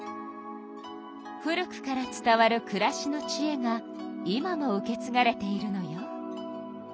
古くから伝わるくらしのちえが今も受けつがれているのよ。